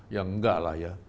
ya enggak lah ya